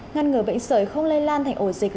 ngăn ngừa bệnh sởi không lây lan thành ổ dịch